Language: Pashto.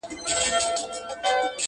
معلم وپوښتی حکمت په زنګوله کي -